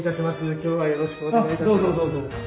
今日はよろしくお願いいたします。